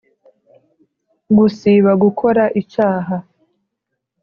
gusiba gukora icyaha